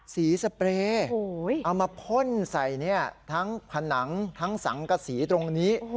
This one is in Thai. สเปรย์เอามาพ่นใส่ทั้งผนังทั้งสังกษีตรงนี้